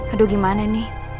aduh gimana ini